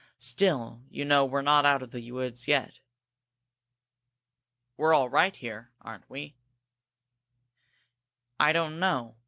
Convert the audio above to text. Still you know we're not out of the woods yet." "We're all right here, aren't we?" "I don't know.